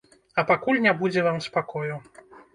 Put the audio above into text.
А пакуль не будзе вам спакою!